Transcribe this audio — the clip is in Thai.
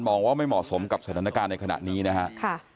มองว่าไม่เหมาะสมกับสถานการณ์ในขณะนี้นะครับ